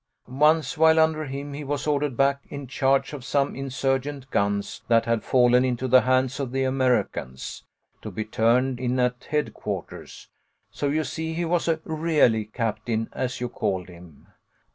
Once while under him he was ordered back in charge of some insurgents' guns that had fallen into the hands of the Americans, to be turned in at HOME LESSONS. 1 3 7 headquarters. So you see he was a ' really ' captain as you called him."